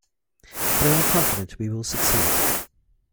But I am confident we will succeed.